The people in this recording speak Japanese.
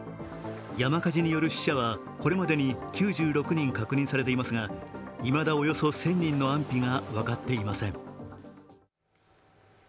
山火事による死者はこれまでに９６人確認されていますがいまだおよそ１０００人の安否が分かっていません